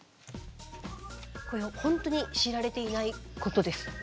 これほんとに知られていないことです。